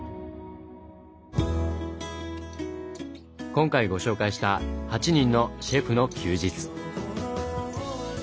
今回ご紹介した８人のシェフの休日。